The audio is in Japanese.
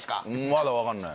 まだ分かんない。